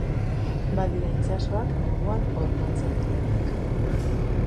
Badira itsasoak neguan hormatzen direnak